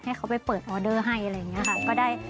ให้เขาไปเปิดออเดอร์ให้อะไรอย่างนี้ค่ะ